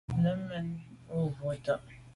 Lèn mèn o bwô tà’.